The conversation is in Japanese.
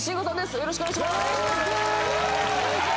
よろしくお願いします